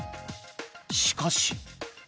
しかし。